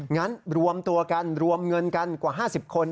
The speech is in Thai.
งั้นรวมตัวกันรวมเงินกันกว่า๕๐คน